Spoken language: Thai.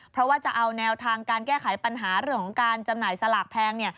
เพราะว่าจะเอาแนวทางการแก้ไขปัญหาเรื่องของการจำหน่ายสลากแพง